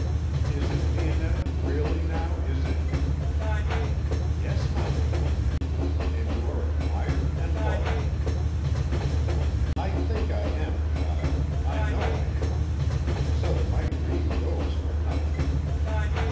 "Is it, Dionetta, really, now, is it?" "Yes, my lady. And you are admired and loved." "I think I am, child; I know I am. So that my dream goes for nothing.